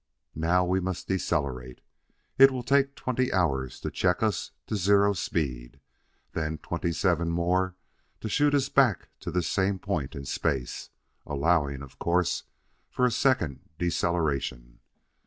"Now we must decelerate. It will take twenty hours to check us to zero speed; then twenty seven more to shoot us back to this same point in space, allowing, of course, for a second deceleration.